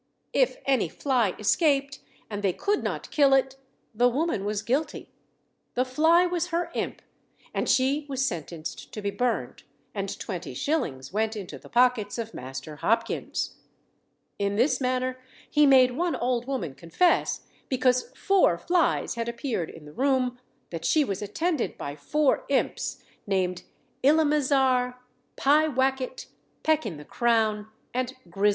If any fly escaped, and they could not kill it, the woman was guilty; the fly was her imp, and she was sentenced to be burned, and twenty shillings went into the pockets of Master Hopkins. In this manner he made one old woman confess, because four flies had appeared in the room, that she was attended by four imps, named "Ilemazar," "Pye wackett," "Peck in the crown," and "Grizel Greedigut."